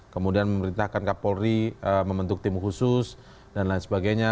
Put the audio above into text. kemudian memerintahkan kapolri membentuk tim khusus dan lain sebagainya